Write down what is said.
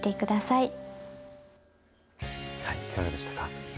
いかがでしたか。